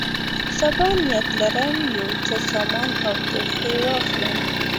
سبا نیت لرم یو څه سامان او تحفې واخلم.